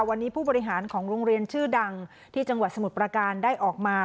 วันนี้ผู้บริหารของโรงเรียนชื่อดังที่จังหวัดสมุทรประการได้ออกมา